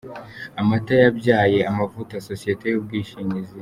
Amata yabyaye amavuta Sosiyete y’Ubwishingizi.